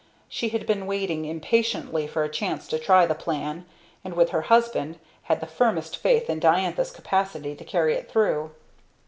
She had been waiting impatiently for a chance to try the plan, and, with her husband, had the firmest faith in Diantha's capacity to carry it through.